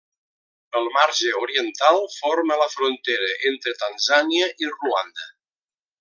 El marge oriental forma la frontera entre Tanzània i Ruanda.